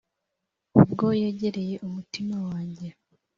Ubwo yegereye umutima wanjye